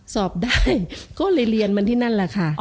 สอบได้ก็เลยเรียนมันที่นั่นแหละค่ะ